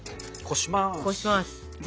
こします。